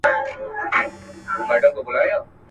لا صوفي له پښو څپلۍ نه وې ایستلې.